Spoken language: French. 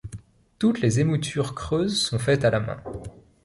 Toutes les émoutures creuses sont faites à la main.